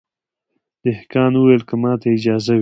دهقان وویل که ماته اجازه وي